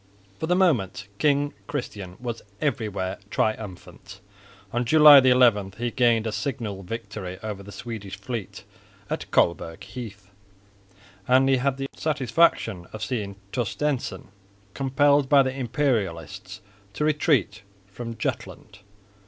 For the moment King Christian was everywhere triumphant. On July 11 he gained a signal victory over the Swedish fleet at Colberg Heath, and he had the satisfaction of seeing Torstensson compelled by the Imperialists to retreat from Jutland.